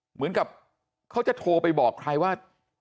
เหมือนกับเขาจะโทรไปบอกใครว่า